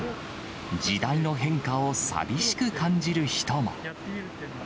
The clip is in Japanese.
時代の変化を寂しく感じる人も。